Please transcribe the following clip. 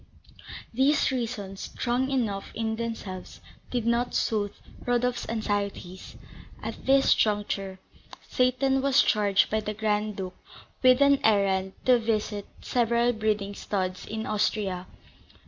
These reasons, strong enough in themselves, did not soothe Rodolph's anxieties. At this juncture, Seyton was charged by the Grand Duke with an errand to visit several breeding studs in Austria.